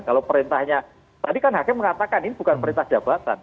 kalau perintahnya tadi kan hakim mengatakan ini bukan perintah jabatan